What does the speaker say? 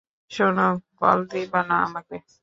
শোনো, কল দিবা না আমাকে।